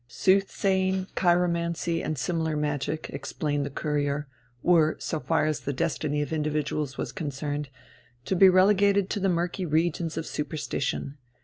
Sooth saying, chiromancy, and similar magic, explained the Courier, were, so far as the destiny of individuals was concerned, to be relegated to the murky regions of superstition.